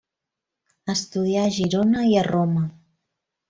Estudià a Girona i a Roma.